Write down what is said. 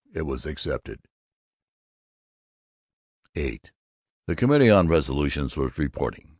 It was accepted. VIII The Committee on Resolutions was reporting.